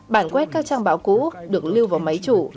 bản quét các trang báo cũ được lưu vào máy chủ